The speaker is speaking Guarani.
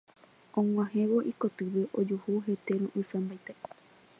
Og̃uahẽvo ikotýpe ojuhu hete ro'ysãmbaite.